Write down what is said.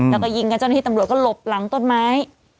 แล้วก็ยิงกับเจ้าหน้าที่ตำรวจก็หลบหลังต้นไม้